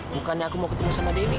bukannya aku mau ketemu sama dewi